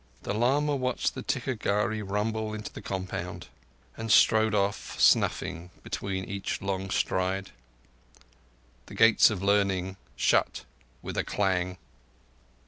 The lama watched the ticca gharri rumble into the compound, and strode off, snuffing between each long stride. "The Gates of Learning" shut with a clang.